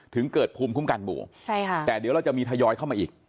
ถึงเกิดภูมิคุ้มกันหมู่ใช่ค่ะแต่เดี๋ยวเราจะมีทยอยเข้ามาอีก